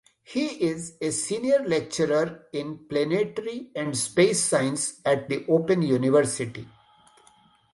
He is a Senior Lecturer in Planetary and Space Science at the Open University.